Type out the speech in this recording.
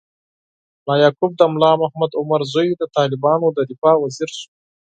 ملا یعقوب، د ملا محمد عمر زوی، د طالبانو د دفاع وزیر شو.